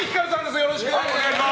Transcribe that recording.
よろしくお願いします。